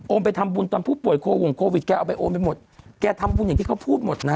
ไปทำบุญตอนผู้ป่วยโควงโควิดแกเอาไปโอนไปหมดแกทำบุญอย่างที่เขาพูดหมดนะ